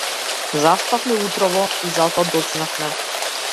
Заспавме утрово и затоа доцневме.